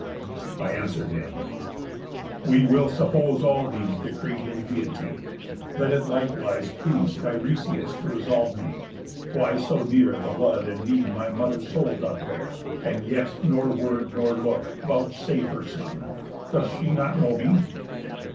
I answer'd him: 'We will suppose all these Decreed in Deity; let it likewise please Tiresias to resolve me, why so near The blood and me my mother's soul doth bear, And yet nor word, nor look, vouchsafe her son? Doth she not know me?